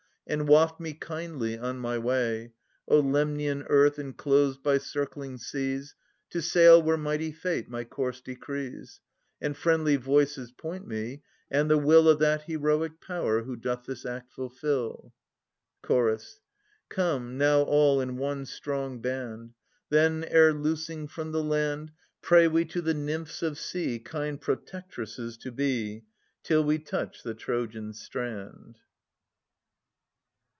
and waft me kindly on my way, O Lemnian earth enclosed by circling seas. To sail, where mighty Fate my course decrees, And friendly voices point me, and the will Of that heroic power, who doth this act fulfil. Ch. Come now all in one strong band ; Then, ere loosing from the land, Pray we to the nymphs of sea Kind protectresses to be. Till we touch the Trojan strand.